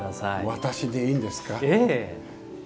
私でいいんですか。